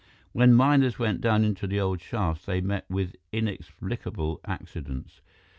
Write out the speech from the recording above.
"When miners went down into the old shafts, they met with inexplicable accidents.